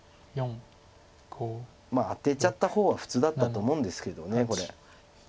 まあアテちゃった方が普通だったと思うんですけどこれ。